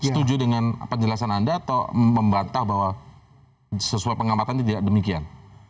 setuju dengan penjelasan anda atau membantah bahwa sesuai pengamatan tidak demikian